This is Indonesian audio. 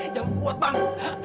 jangan buat bang